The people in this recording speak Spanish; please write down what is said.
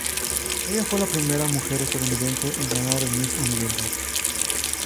Ella fue la primera mujer estadounidense en ganar el Miss Universo.